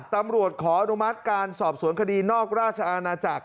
ตำรวจขออนุมัติการสอบสวนคดีนอกราชอาณาจักร